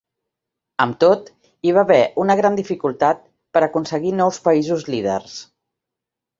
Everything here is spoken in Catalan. Amb tot, hi va haver una gran dificultat per aconseguir nous països líders.